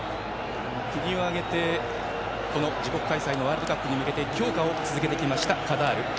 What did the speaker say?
国を挙げて、この自国開催のワールドカップに向けて強化を続けてきましたカタール。